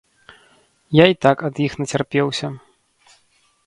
Я і так ад іх нацярпеўся.